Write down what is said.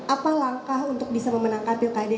apa langkah untuk bisa memenangkan pilkada